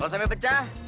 kalau sampe pecah